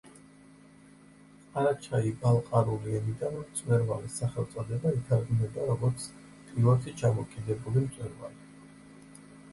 ყარაჩაი-ბალყარული ენიდან მწვერვალის სახელწოდება ითარგმნება როგორც „ტილოთი ჩამოკიდებული მწვერვალი“.